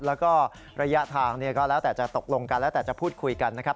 แล้วก็ระยะทางก็แล้วแต่จะตกลงกันแล้วแต่จะพูดคุยกันนะครับ